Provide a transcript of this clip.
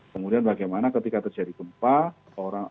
kemudian bagaimana ketika terjadi gempa